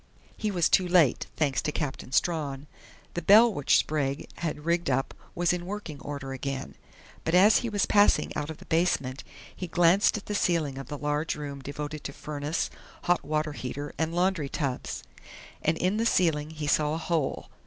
He was too late thanks to Captain Strawn. The bell which Sprague had rigged up was in working order again. But as he was passing out of the basement he glanced at the ceiling of the large room devoted to furnace, hot water heater and laundry tubs. And in the ceiling he saw a hole....